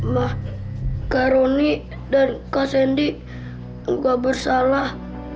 ma kak roni dan kak sandy gak bersalah